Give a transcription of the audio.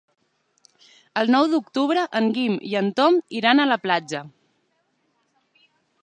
El nou d'octubre en Guim i en Tom iran a la platja.